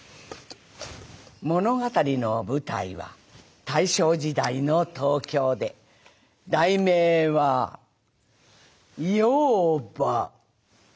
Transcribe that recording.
物語の舞台は大正時代の東京で題名は『妖婆』。